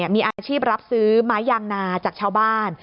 มีอาชีพรับซื้อไม้ยางนาจากชาวบ้าน